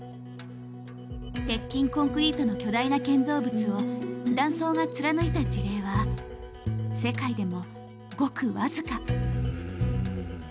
鉄筋コンクリートの巨大な建造物を断層が貫いた事例は世界でもごく僅か。